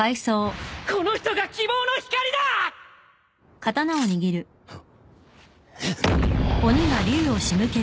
この人が希望の光だ！あっ。